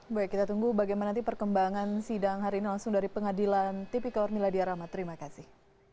baik kita tunggu bagaimana nanti perkembangan sidang hari ini langsung dari pengadilan tipikor miladia rahma terima kasih